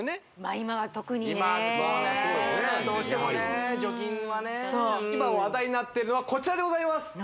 今は特にねどうしてもね今話題になってるのはこちらでございます